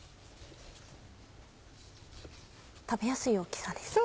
食べやすい大きさですね。